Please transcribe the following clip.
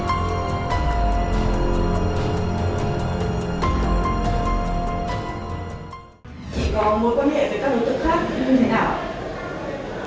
chỉ có mối quan hệ với các đối tượng khác như thế nào